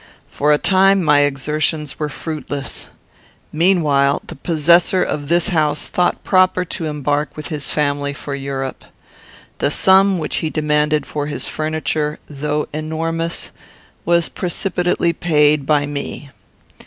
For a time, my exertions were fruitless. "Meanwhile, the possessor of this house thought proper to embark with his family for Europe. The sum which he demanded for his furniture, though enormous, was precipitately paid by me.